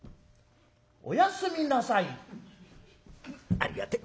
ありがてえ。